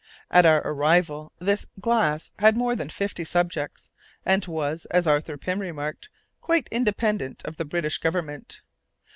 At our arrival this Glass had more than fifty subjects, and was, as Arthur Pym remarked, quite independent of the British Government.